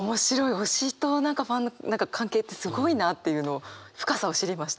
推しとファンの関係ってすごいなあっていうのを深さを知りました。